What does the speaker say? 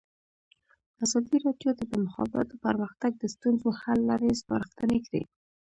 ازادي راډیو د د مخابراتو پرمختګ د ستونزو حل لارې سپارښتنې کړي.